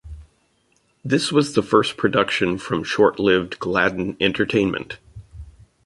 This was the first production from short-lived Gladden Entertainment.